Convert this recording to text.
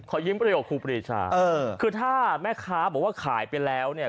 ยิ้มประโยคครูปรีชาเออคือถ้าแม่ค้าบอกว่าขายไปแล้วเนี่ย